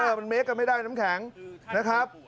มันเมคกันไม่ได้น้ำแข็งนะครับ